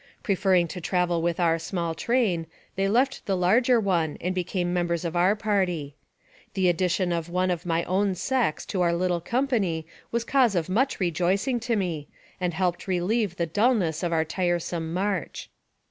Preferring to travel with our small train, they left the larger one and became members of our party. The addition of one of my own sex to our little company was cause of much rejoicing to me, and helped relieve the dull ness of our tiresome march.